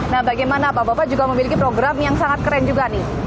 nah bagaimana pak bapak juga memiliki program yang sangat keren juga nih